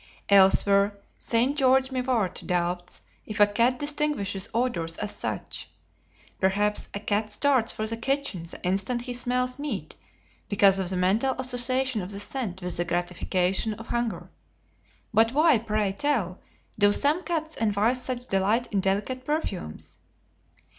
Elsewhere St. George Mivart doubts if a cat distinguishes odors as such. Perhaps a cat starts for the kitchen the instant he smells meat because of the mental association of the scent with the gratification of hunger; but why, pray tell, do some cats evince such delight in delicate perfumes?